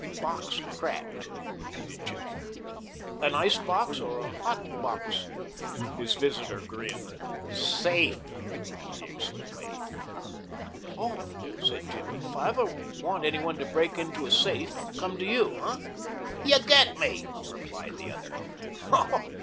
"Box cracked?" repeated Jimmy. "An ice box or a hot box?" His visitor grinned. "Safe," he explained. "Oh," said Jimmy, "if I ever want any one to break into a safe, come to you, huh?" "You get me," replied the other.